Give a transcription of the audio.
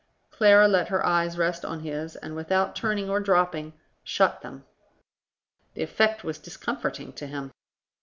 Clara let her eyes rest on his and, without turning or dropping, shut them. The effect was discomforting to him.